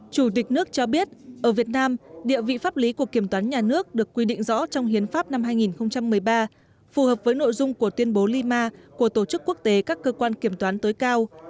chủ tịch nước cho biết ở việt nam địa vị pháp lý của kiểm toán nhà nước được quy định rõ trong hiến pháp năm hai nghìn một mươi ba phù hợp với nội dung của tuyên bố lima của tổ chức quốc tế các cơ quan kiểm toán tối cao